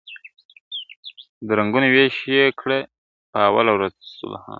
د رنګونو وېش یې کړی په اوله ورځ سبحان !.